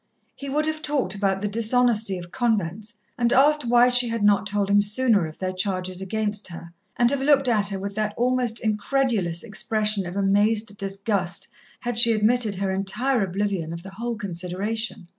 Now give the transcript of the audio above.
He would have talked about the dishonesty of convents, and asked why she had not told him sooner of their charges against her, and have looked at her with that almost incredulous expression of amazed disgust had she admitted her entire oblivion of the whole consideration.